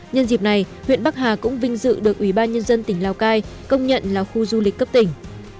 nhân dịp này huyện bắc hà cũng vinh dự được ubnd tỉnh lào cai công nhận là khu du lịch cấp tỉnh